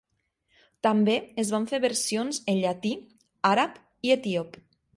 També es van fer versions en llatí, àrab i etíop.